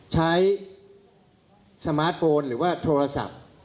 สมาร์ทโฟนหรือว่าโทรศัพท์